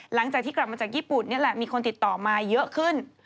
หลังจากที่กลับมาจากญี่ปุ่นนี่แหละมีคนติดต่อมาเยอะขึ้น